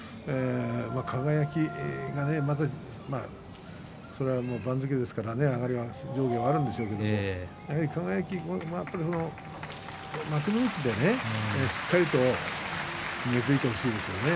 輝が、それは番付ですから上下があるんでしょうけれども輝は幕内でしっかりと根づいてほしいですね。